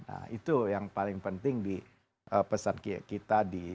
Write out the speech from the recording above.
nah itu yang paling penting di pesan kita di